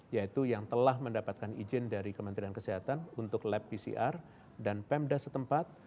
yaitu yang telah mendapatkan izin dari kementerian kesehatan untuk lab pcr dan pemda setempat